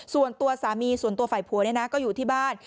ส่วนตัวสามีส่วนตัวฝ่ายผัวเนี่ยนะก็อยู่ที่บ้าน